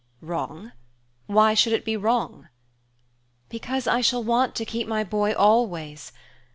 "Wrong? Why should it be wrong?" "Because I shall want to keep my boy always!